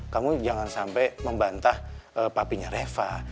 kamu jangan sampai membantah papinya reva